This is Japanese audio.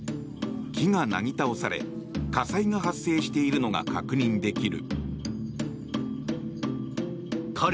木がなぎ倒され火災が発生しているのが確認できる。